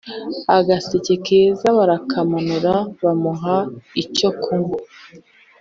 Agaseke keza barakamanura bamuha icyo kunwa